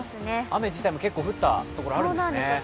雨自体も結構降った所、あるんですね。